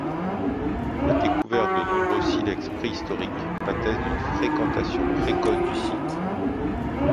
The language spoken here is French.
La découverte de nombreux silex préhistoriques atteste d'une fréquentation précoce du site.